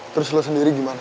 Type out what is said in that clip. terus lo sendiri gimana